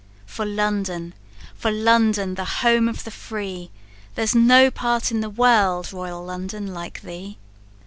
For London! for London! the home of the free, There's no part in the world, royal London, like thee!